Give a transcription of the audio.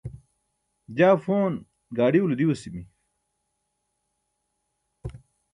jaa phon gaaḍiulo diwasimi